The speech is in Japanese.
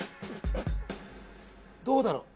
どうだろう。